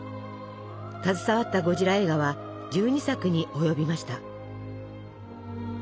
携わったゴジラ映画は１２作に及びました。